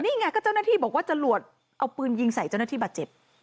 นี่ไงก็เจ้าหน้าที่บอกว่าจรวดเอาปืนยิงใส่เจ้าหน้าที่บาดเจ็บ